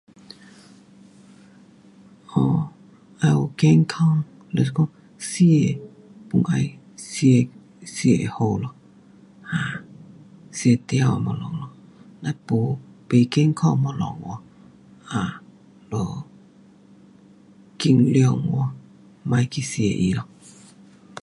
哦，要有健康，就是讲吃 pun 要吃，吃会好咯。啊，吃对的东西咯，若没，没健康东西，啊，就尽量 um 别去吃它咯。